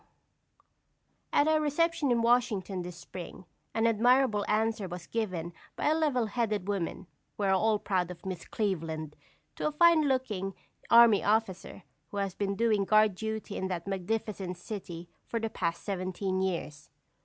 At a reception in Washington this spring an admirable answer was given by a level headed woman we are all proud of Miss Cleveland to a fine looking army officer, who has been doing guard duty in that magnificent city for the past seventeen years.